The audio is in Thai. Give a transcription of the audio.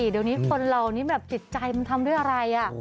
เดี๋ยวนี้คนเหล่านี้แบบจิตใจมันทำด้วยอะไร